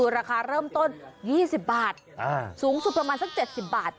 ราคาเริ่มต้น๒๐บาทสูงสุดประมาณสัก๗๐บาท